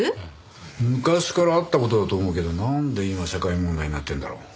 昔からあった事だと思うけどなんで今社会問題になってるんだろう？